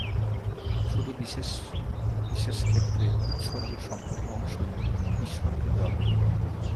শুধু বিশেষ বিশেষ ক্ষেত্রে উৎসর্গের সম্পূর্ণ অংশই ঈশ্বরকে দেওয়া হতো।